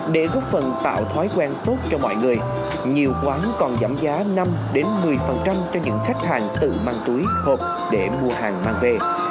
để góp phần tạo thói quen tốt cho mọi người nhiều quán còn giảm giá năm một mươi cho những khách hàng tự mang túi hộp để mua hàng mang về